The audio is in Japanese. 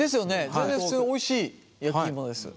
全然普通においしい焼き芋です。